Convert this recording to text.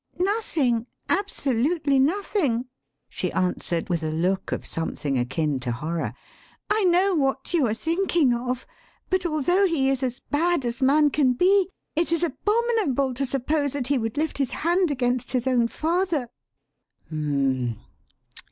"Nothing, absolutely nothing!" she answered, with a look of something akin to horror. "I know what you are thinking of, but although he is as bad as man can be, it is abominable to suppose that he would lift his hand against his own father." "Hum m m!